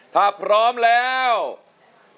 ถ้าพร้อมแล้วเพลงจูดมาครับ